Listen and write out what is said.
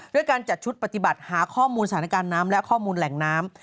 ด้วยการจัดชุดปฏิบัติหาข้อมูลสถานการณ์น้ำและข้อมูลแหล่งน้ำ